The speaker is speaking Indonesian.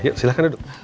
yuk silahkan duduk